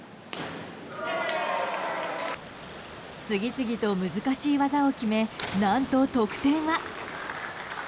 次々と難しい技を決め何と得点は。